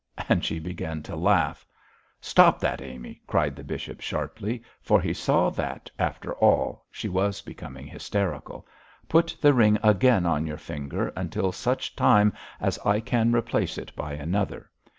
and she began to laugh. 'Stop that, Amy!' cried the bishop, sharply, for he saw that, after all, she was becoming hysterical. 'Put the ring again on your finger, until such time as I can replace it by another.